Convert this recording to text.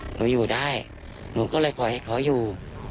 หนูอยู่ได้หนูก็เลยปล่อยให้เขาอยู่